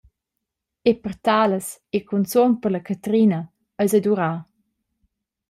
E per talas, e cunzun per la Catrina, eis ei dad urar.